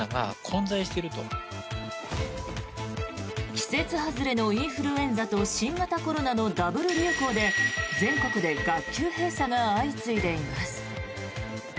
季節外れのインフルエンザと新型コロナのダブル流行で全国で学級閉鎖が相次いでいます。